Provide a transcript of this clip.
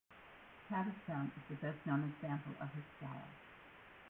"Cabbagetown" is the best-known example of his style.